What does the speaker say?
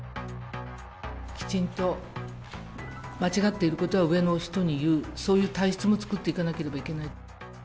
きちんと間違っていることは上の人に言う、そういう体質も作っていかなければいけない。